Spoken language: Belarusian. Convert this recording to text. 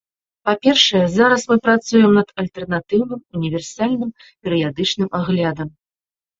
Па-першае, зараз мы працуем над альтэрнатыўным універсальным перыядычным аглядам.